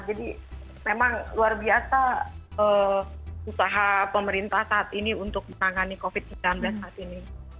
jadi memang luar biasa usaha pemerintah saat ini untuk menangani covid sembilan belas saat ini